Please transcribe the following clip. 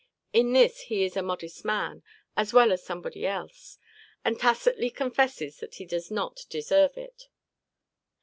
In this he is a modest man, as well as somebody else; and tacitly confesses that he does not deserve it.